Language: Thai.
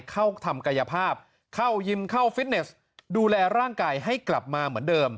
เข้าทำกายภาพเข้ายิมเข้าฟิตเนสดูแลร่างกายให้กลับมาเหมือนเดิม